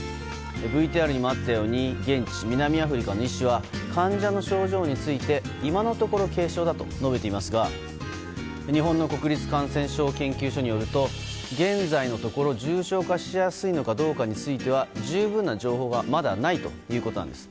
ＶＴＲにもあったように現地南アフリカの医師は患者の症状について、今のところ軽症だと述べていますが日本の国立感染症研究所によると現在のところ重症化しやすいかどうかについては十分な情報がまだないということなんです。